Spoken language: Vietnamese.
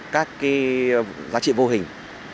các cái giá trị vô hình